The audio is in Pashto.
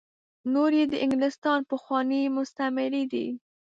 نور یې د انګلستان پخواني مستعميري دي.